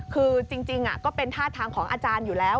คือจริงก็เป็นท่าทางของอาจารย์อยู่แล้ว